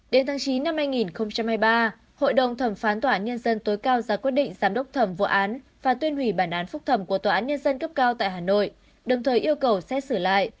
đến tháng chín năm hai nghìn hai mươi ba hội đồng thẩm phán tòa án nhân dân tối cao ra quyết định giám đốc thẩm vụ án và tuyên hủy bản án phúc thẩm của tòa án nhân dân cấp cao tại hà nội đồng thời yêu cầu xét xử lại